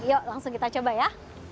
yuk langsung kita coba ya